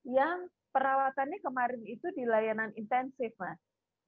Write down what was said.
yang perawatannya kemarin itu di layanan intensif mas